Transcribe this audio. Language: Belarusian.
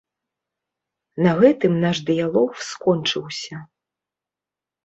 На гэтым наш дыялог скончыўся.